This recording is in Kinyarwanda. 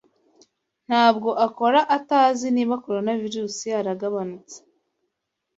Ntabwo akora atazi niba Coronavirus yaragabanutse